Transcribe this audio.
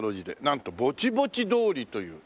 なんとボチボチ通りという。